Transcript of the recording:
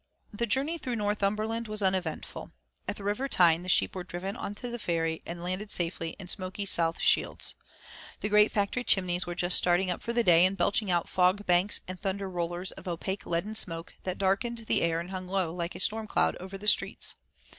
The journey through Northumberland was uneventful. At the River Tyne the sheep were driven on to the ferry and landed safely in smoky South Shields. The great factory chimneys were just starting up for the day and belching out fogbanks and thunder rollers of opaque leaden smoke that darkened the air and hung low like a storm cloud over the streets.